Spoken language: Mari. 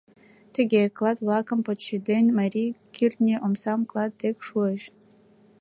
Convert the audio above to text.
Тыге, клат-влакым почеден, марий кӱртньӧ омсан клат дек шуэш.